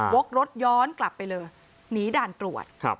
กรถย้อนกลับไปเลยหนีด่านตรวจ